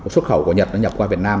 xuất khẩu của nhật nó nhập qua việt nam